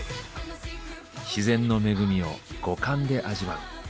自然の恵みを五感で味わう。